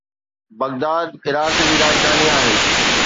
Baghdad Iraq جي راڄڌاني آهي